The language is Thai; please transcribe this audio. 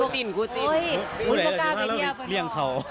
ตอนนั้นว่าเราแล้วที่เลี่ยงเขา